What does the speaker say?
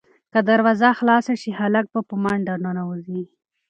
که دروازه خلاصه شي، هلک به په منډه ننوځي.